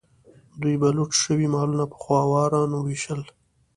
دوی به لوټ شوي مالونه په خوارانو ویشل.